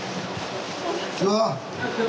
こんにちは！